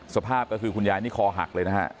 สภาพก็คือคุณยายนี่คอหักเลยนะฮะ